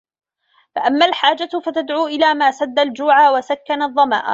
فَأَمَّا الْحَاجَةُ فَتَدْعُو إلَى مَا سَدَّ الْجُوعَ وَسَكَّنَ الظَّمَأَ